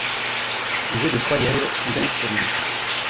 Rue de Froyelles, Fontaine-sur-Maye